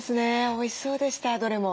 おいしそうでしたどれも。